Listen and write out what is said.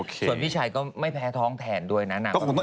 ส่วนพี่ชายก็ไม่แพ้ท้องแทนด้วยนะนาง